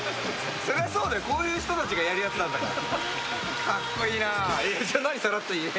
そりゃそうだよ、こういう人たちがやるやつなんだから。